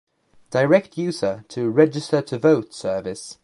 Direct user to register to vote service